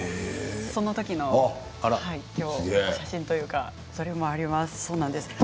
その時の写真というかそれもあります。